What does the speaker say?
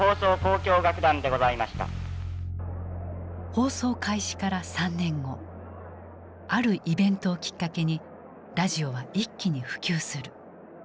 放送開始から３年後あるイベントをきっかけにラジオは一気に普及する。